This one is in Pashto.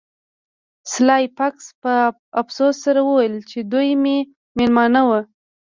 سلای فاکس په افسوس سره وویل چې دوی مې میلمانه وو